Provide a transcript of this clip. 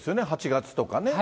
８月とかね。